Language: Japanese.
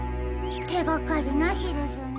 てがかりなしですね。